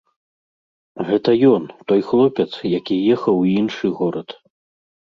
Гэта ён, той хлопец, які ехаў у іншы горад.